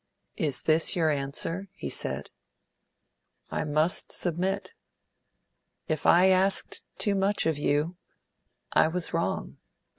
"Is this your answer?" he said. "I must submit. If I asked too much of you, I was wrong.